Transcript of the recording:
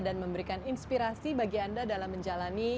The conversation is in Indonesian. dan memberikan inspirasi bagi anda dalam menjalani